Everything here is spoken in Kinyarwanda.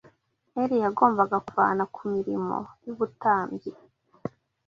Eli yagombaga kubavana ku mirimo y’ubutambyi